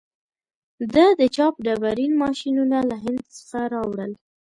ده د چاپ ډبرین ماشینونه له هند څخه راوړل.